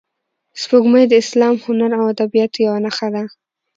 سپوږمۍ د اسلام، هنر او ادبیاتو یوه نښه ده